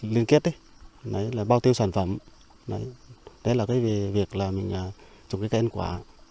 liên kết đấy là bao tiêu sản phẩm đấy là cái việc là mình trồng cây ăn quả